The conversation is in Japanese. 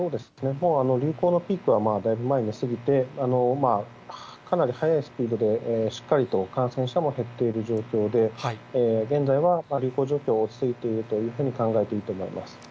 もう流行のピークはだいぶ前に過ぎて、かなり速いスピードでしっかりと感染者も減っている状況で、現在は流行状況は落ち着いていると考えていいと思います。